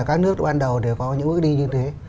các nước ban đầu đều có những bước đi như thế